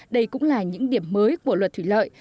đây cũng là những điểm mới của luật thủy lợi